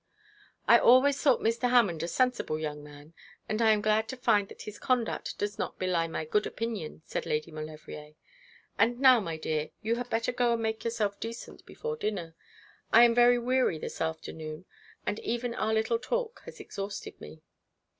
'I always thought Mr. Hammond a sensible young man, and I am glad to find that his conduct does not belie my good opinion,' said Lady Maulevrier. 'And now, my dear, you had better go and make yourself decent before dinner. I am very weary this afternoon, and even our little talk has exhausted me.'